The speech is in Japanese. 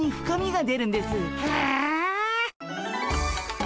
へえ！